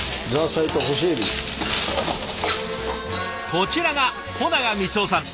こちらが保永光男さん。